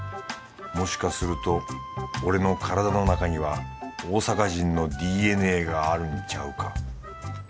もしかすると俺の体のなかには大阪人の ＤＮＡ があるんちゃうか